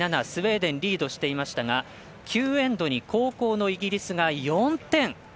スウェーデンリードしていましたが９エンドに後攻のイギリスが４点。